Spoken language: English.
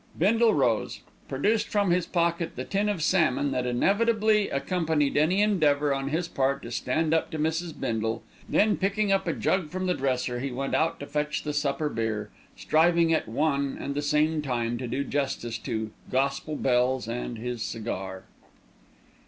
Bindle rose, produced from his pocket the tin of salmon that inevitably accompanied any endeavour on his part to stand up to Mrs. Bindle, then picking up a jug from the dresser he went out to fetch the supper beer, striving at one and the same time to do justice to "Gospel Bells" and his cigar.